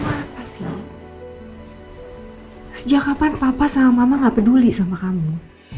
sejak kapan papa sama mama gak peduli sama kamu